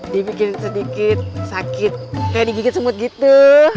dibikin sedikit sakit kayak digigit semut gitu